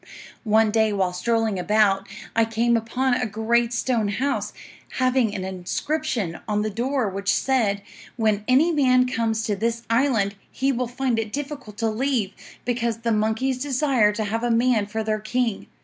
"'One day, while strolling about, I came upon a great stone house, having an inscription on the door, which said, "When any man comes to this island, he will find it difficult to leave, because the monkeys desire to have a man for their king.